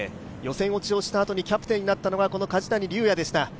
予選落ちをしたあとにキャプテンになったのが梶谷瑠哉でした。